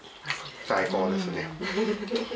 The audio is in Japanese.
最高ですね。